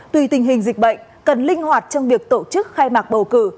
tùy tình hình dịch bệnh cần linh hoạt trong việc tổ chức khai mạc bầu cử